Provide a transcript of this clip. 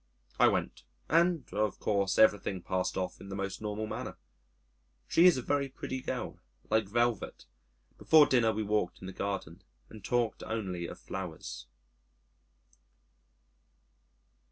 I went and of course everything passed off in the most normal manner. She is a very pretty girl like velvet. Before dinner, we walked in the garden and talked only of flowers.